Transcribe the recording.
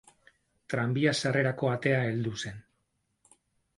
Tranbia sarrerako atea heldu zen.